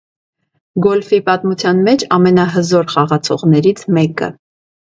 Գոլֆի պատմության մեջ ամենահզոր խաղացողներից մեկը։